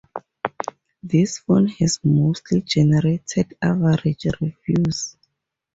This phone has mostly generated average reviews.